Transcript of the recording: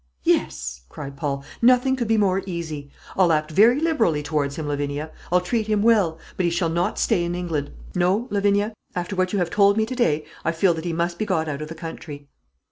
"Yes," cried Paul; "nothing could be more easy. I'll act very liberally towards him, Lavinia; I'll treat him well; but he shall not stay in England. No, Lavinia; after what you have told me to day, I feel that he must be got out of the country."